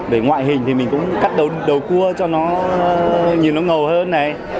về ngoại hình thì mình cũng cắt đầu cua cho nó nhìn nó ngầu hơn này